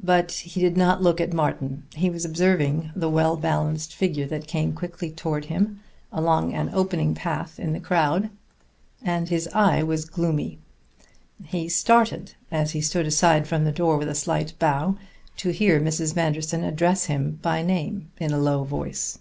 But he did not look at Martin. He was observing the well balanced figure that came quickly toward him along an opening path in the crowd, and his eye was gloomy. He started, as he stood aside from the door with a slight bow, to hear Mrs. Manderson address him by name in a low voice.